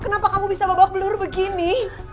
kenapa kamu bisa babak belur begini